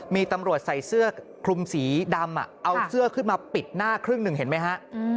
มีตำรวจใส่เสื้อคลุมสีดำเอาเสื้อขึ้นมาปิดหน้าครึ่งหนึ่งเห็นไหมฮะ